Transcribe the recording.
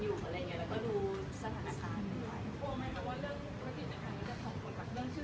ในการที่จะผลกฎกับเรื่องชื่อเสียงที่เราตั้งของคุณครับ